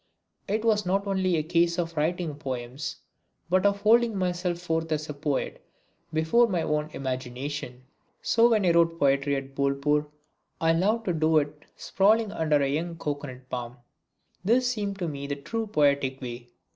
It was not only a case of writing poems, but of holding myself forth as a poet before my own imagination. So when I wrote poetry at Bolpur I loved to do it sprawling under a young coconut palm. This seemed to me the true poetic way.